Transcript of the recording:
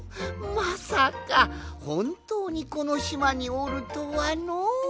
まさかほんとうにこのしまにおるとはのう！